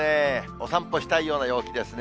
お散歩したいような陽気ですね。